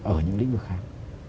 ở những lĩnh vực khác